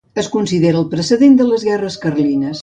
Es considera el precedent de les guerres carlines.